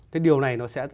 thế điều này nó sẽ